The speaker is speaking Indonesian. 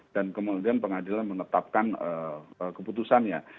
dan kemudian pengadilan menetapkan keputusannya